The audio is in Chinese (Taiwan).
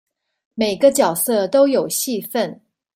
每個角色都有戲份